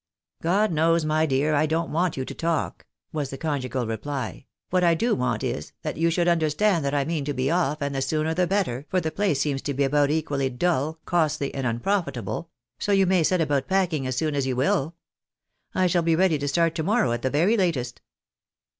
" God knows, my dear, I don't want you to talk," was the conjugal reply ;" what I do want is, that you should understand that I mean to be off, and the sooner the better, for the place seems to be about equally dull, costly, and unprofitable — so you may set about packing as soon as you will. I shall be ready to start to morrow at the very latest."